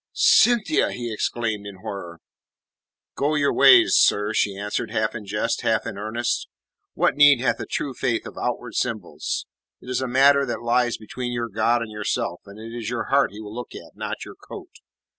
"Cynthia!" he exclaimed, in horror. "Go your ways, sir," she answered, half in jest, half in earnest. "What need hath a true faith of outward symbols? It is a matter that lies between your God and yourself, and it is your heart He will look at, not your coat.